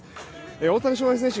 大谷翔平選手